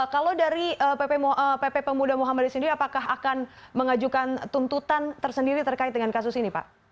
kalau dari pp pemuda muhammadiyah sendiri apakah akan mengajukan tuntutan tersendiri terkait dengan kasus ini pak